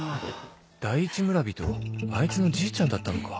第一村人あいつのじいちゃんだったのか